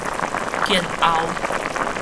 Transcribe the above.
建甌